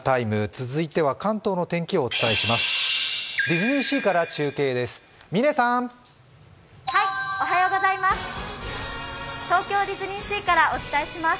続いては関東の天気をお伝えします。